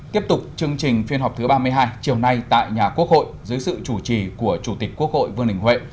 tiếp tục chương trình phiên họp thứ ba mươi hai chiều nay tại nhà quốc hội dưới sự chủ trì của chủ tịch quốc hội vương đình huệ